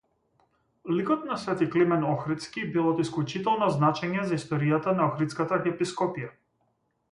Ликот на св. Климент Охридски бил од исклучително значење за историјата на Охридската архиепископија.